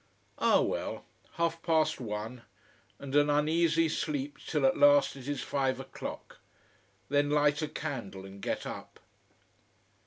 Ah, well! Half past one! And an uneasy sleep till at last it is five o'clock. Then light a candle and get up.